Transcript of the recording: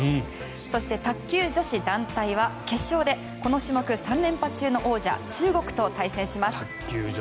そして、卓球女子団体は決勝でこの種目３連覇中の王者中国と対戦します。